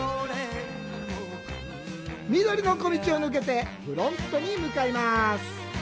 緑の小道を抜けてフロントへ向かいます。